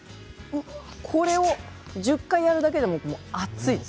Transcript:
これを１０回やるだけでも暑くなります。